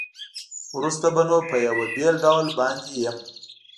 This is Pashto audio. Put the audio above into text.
وروسته به نو په یوه بېل ډول باندې یم.